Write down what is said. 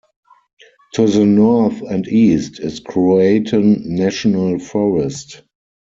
To the north and east is Croatan National Forest.